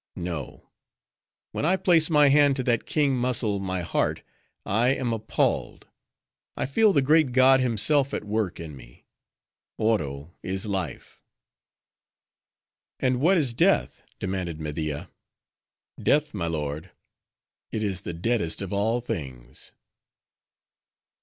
No; when I place my hand to that king muscle my heart, I am appalled. I feel the great God himself at work in me. Oro is life.'" "And what is death?" demanded Media. "Death, my lord!—it is the deadest of all things."